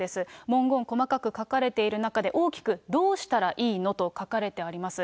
文言、細かく書かれている中で、大きくどうしたらいいの！と書かれてあります。